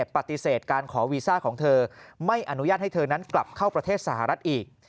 ปฏิเสธการขอวีซ่าของเธอไม่อนุญาตให้เธอนั้นกลับเข้าประเทศสหรัฐอีก